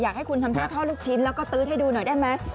อยากให้คุณทำเถ้าลูกชิ้นและตื้ดให้ดูหน่อยได้ไง